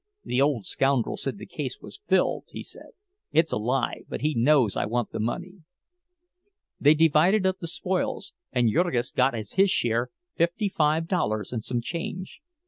"The old scoundrel said the case was filled," he said. "It's a lie, but he knows I want the money." They divided up the spoils, and Jurgis got as his share fifty five dollars and some change.